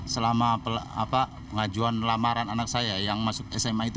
selama pengajuan lamaran anak saya yang masuk sma itu